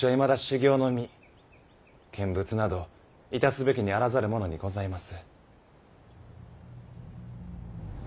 見物などいたすべきにあらざる者にございます。